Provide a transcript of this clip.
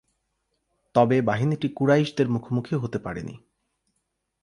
তবে বাহিনীটি কুরাইশদের মুখোমুখি হতে পারেনি।